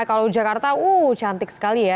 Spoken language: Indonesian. kalau jakarta uh cantik sekali ya